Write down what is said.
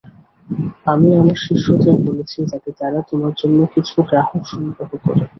আমি আমার শিষ্যদের বলেছি, যাতে তারা তোমার জন্য কিছু গ্রাহক সংগ্রহ করে।